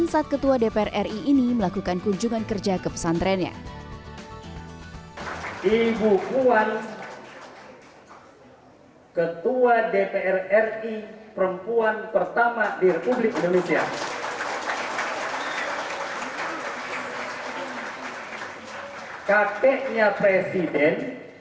kakeknya presiden ibunya presiden anaknya calon presiden